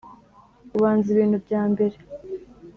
ubanza ibintu byambere